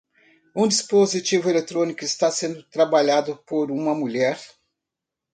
Um dispositivo eletrônico está sendo trabalhado por uma mulher.